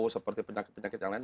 seperti penyakit yang lain